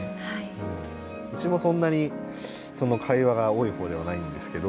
うちもそんなにその会話が多い方ではないんですけど。